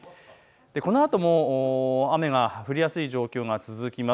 このあとも雨が降りやすい状況が続きます。